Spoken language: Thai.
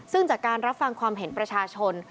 ซึ่งจากการรับฟังความเห็นประชาชน